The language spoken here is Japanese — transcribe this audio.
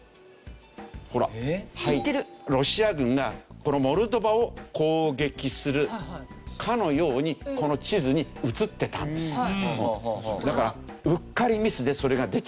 ほらロシア軍がモルドバを攻撃するかのようにこの地図に映ってたんですよ。